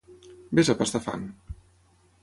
Ves a pastar fang.